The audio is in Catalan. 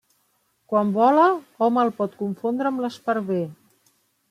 Quan vola hom el pot confondre amb l'esparver.